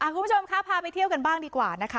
คุณผู้ชมคะพาไปเที่ยวกันบ้างดีกว่านะคะ